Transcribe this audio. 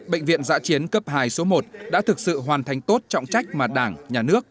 bệnh viện giã chiến cấp hai số một đã thực sự hoàn thành tốt trọng trách mà đảng nhà nước